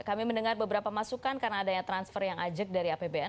kami mendengar beberapa masukan karena adanya transfer yang ajak dari apbn